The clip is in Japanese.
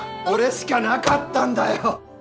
これしかなかったんだよ！